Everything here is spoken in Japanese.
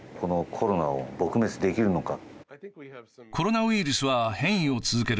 コロナを撲滅できるのか。